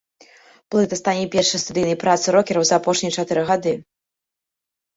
Плыта стане першай студыйнай працай рокераў за апошнія чатыры гады.